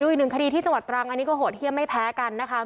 อีกหนึ่งคดีที่จังหวัดตรังอันนี้ก็โหดเยี่ยมไม่แพ้กันนะคะ